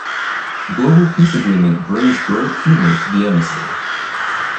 The global peace agreement brings great humour to the emissary.